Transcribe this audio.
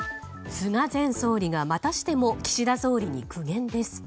菅前総理がまたしても岸田総理に苦言です。